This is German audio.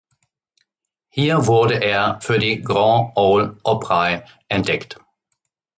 Hier wurde er für die Grand Ole Opry entdeckt.